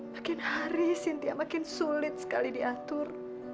makin hari cynthia makin sulit sekali diatur